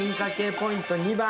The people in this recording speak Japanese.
ポイント２番